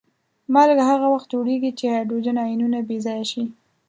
مالګه هغه وخت جوړیږي چې هایدروجن آیونونه بې ځایه شي.